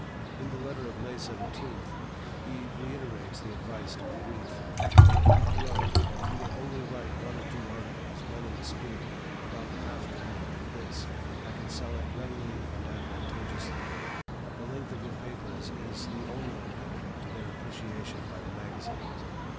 In the letter of May 17th, he reiterates the advice to be brief: "Thoreau, if you will only write one or two articles, when in the spirit, about half the length of this, I can sell it readily and advantageously. The length of your papers is the only impediment to their appreciation by the magazines.